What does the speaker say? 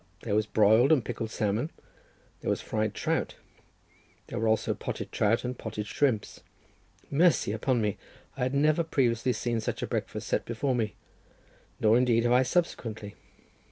There was broiled and pickled salmon—there was fried trout—there were also potted trout and potted shrimps. Mercy upon me! I had never previously seen such a breakfast set before me, nor, indeed, have I subsequently.